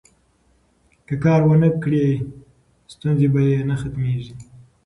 که کار ونکړي، ستونزې به یې نه ختمیږي.